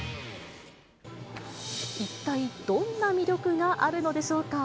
一体、どんな魅力があるのでしょうか。